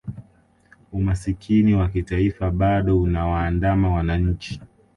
umasikini wa kitaifa bado unawaandama wananchi